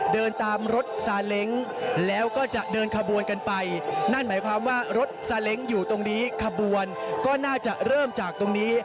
เดินตามรถซาเล้งแล้วก็จะเดินขบวนกันไปนั่นหมายความว่ารถซาเล้งอยู่ตรงนี้ขบวนก็น่าจะเริ่มจากตรงนี้